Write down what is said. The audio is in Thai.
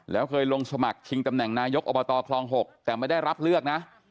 แล้วเคยลงสมัครชิงตำแหน่งนายกอบตคลอง๖แต่ไม่ได้รับเลือกนะ